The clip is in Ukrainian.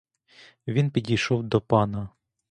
Він підійшов до пана.